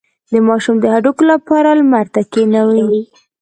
د ماشوم د هډوکو لپاره لمر ته کینوئ